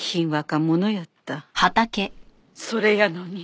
それやのに。